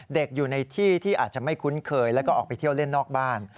เด็กอยู่ในที่ที่อาจจะไม่คุ้นเคยแล้วก็ออกไปเที่ยวเล่นนอกบ้าน